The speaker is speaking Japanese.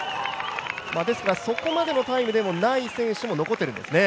ですからそこまでのタイムではない選手も残っているんですね。